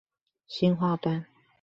新化端